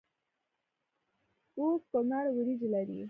کوز کونړ وریجې لري؟